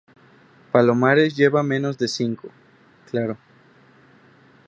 palomares lleva menos de cinco. claro.